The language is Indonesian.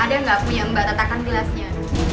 ada nggak punya mbak tatakan gelasnya